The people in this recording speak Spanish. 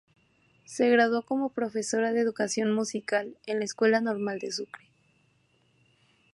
Se graduó como profesora de educación musical en la Escuela Normal de Sucre.